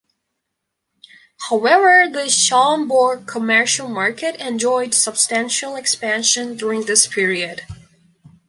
However, the Schaumburg commercial market enjoyed substantial expansion during this period.